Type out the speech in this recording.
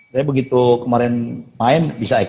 tapi begitu kemarin main bisa ikut